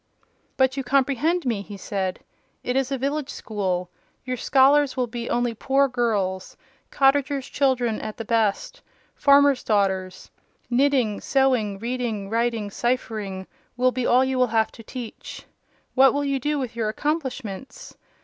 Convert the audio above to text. "But you comprehend me?" he said. "It is a village school: your scholars will be only poor girls—cottagers' children—at the best, farmers' daughters. Knitting, sewing, reading, writing, ciphering, will be all you will have to teach. What will you do with your accomplishments?